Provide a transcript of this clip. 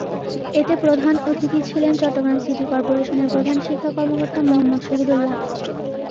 এতে প্রধান অতিথি ছিলেন চট্টগ্রাম সিটি করপোরেশনের প্রধান শিক্ষা কর্মকর্তা মুহম্মদ শহীদুল্লাহ।